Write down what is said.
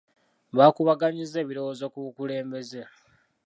Baakubaganyizza ebirowoozo ku bukulembeze.